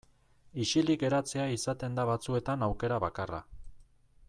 Isilik geratzea izaten da batzuetan aukera bakarra.